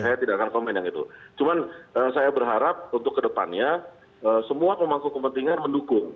saya tidak akan komen yang itu cuman saya berharap untuk kedepannya semua pemangku kepentingan mendukung